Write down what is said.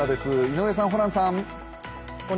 井上さん、ホランさん。